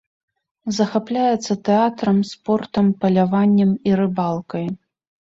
Захапляецца тэатрам, спортам, паляваннем і рыбалкай.